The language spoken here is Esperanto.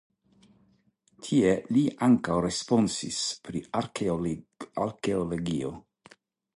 Tie li ankaŭ responsis pri arkeologio.